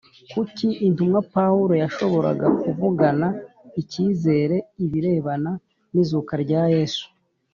Kuki intumwa pawulo yashoboraga kuvugana icyizere ibirebana n izuka rya yesu